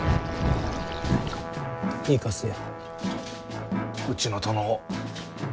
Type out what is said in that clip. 行かせよ。